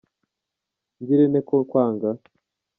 ngirente ko kwanga